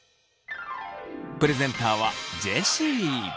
プレゼンターはジェシー。